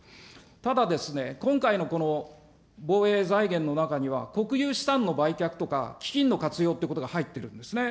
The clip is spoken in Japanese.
ただですね、今回のこの防衛財源の中には、国有資産の売却とか基金の活用っていうことが入っているんですね。